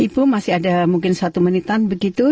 ibu masih ada mungkin satu menitan begitu